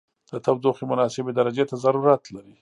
د تودوخې مناسبې درجې ته ضرورت لري.